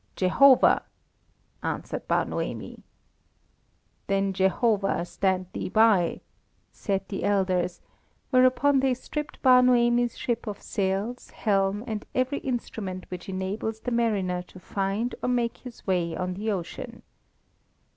"Jehovah!" answered Bar Noemi. "Then Jehovah stand thee by," said the elders; whereupon they stripped Bar Noemi's ship of sails, helm, and every instrument which enables the mariner to find or make his way on the ocean.